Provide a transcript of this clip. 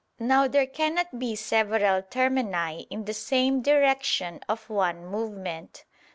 Now there cannot be several termini in the same direction of one movement.